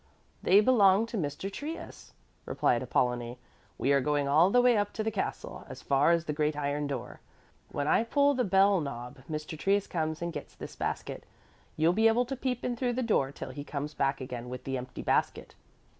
"They belong to Mr. Trius," replied Apollonie. "We are going all the way up to the castle, as far as the great iron door. When I pull the bell knob, Mr. Trius comes and gets this basket. You'll be able to peep in through the door till he comes back again with the empty basket."